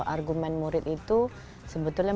argumen murid itu sebetulnya